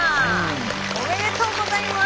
おめでとうございます！